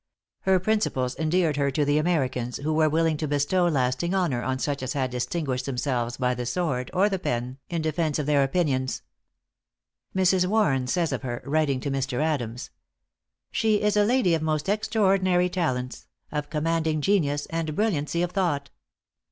Her principles endeared her to the Americans, who were willing to bestow lasting honor on such as had distinguished themselves by the sword or the pen in defence of their opinions. Mrs. Warren says of her, writing to Mr. Adams, "She is a lady of most extraordinary talents, of commanding genius, and brilliancy of thought.